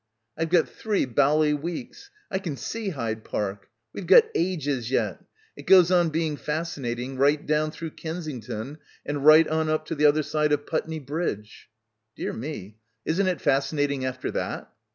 "I've got three bally weeks. I can see Hyde Park. We've got ages yet. It goes on being fascinating right down through Kensington and right on up to the other side of Putney Bridge. 1 "Dear me. Isn't it fascinating after that?